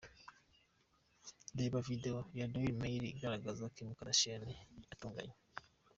Reba video ya The Daily Mail igaragaza Kim Kardashian yitonganya .